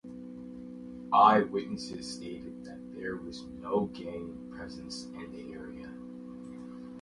Eye witnesses stated that there was no gang presence in the area.